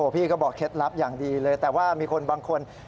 พี่ก็บอกเคล็ดลับอย่างดีเลยแต่ว่ามีคนบางคน